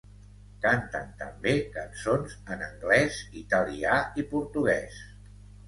Canten també cançons en anglès, italià i portuguès.